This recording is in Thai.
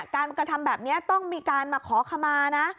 การกระทำแบบนี้ต้องมีการมาขอขมานะ